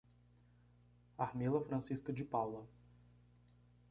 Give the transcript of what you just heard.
Armila Francisca de Paula